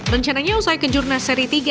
rencananya usai kejurnas seri tiga